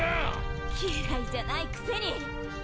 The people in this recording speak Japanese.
嫌いじゃないくせに。